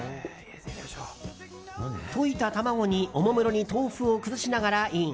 溶いた卵におもむろに豆腐を崩しながらイン。